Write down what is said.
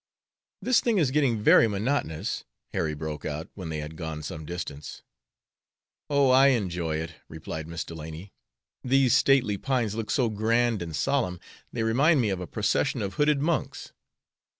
"This thing is getting very monotonous," Harry broke out, when they had gone some distance. "Oh, I enjoy it!" replied Miss Delany. "These stately pines look so grand and solemn, they remind me of a procession of hooded monks."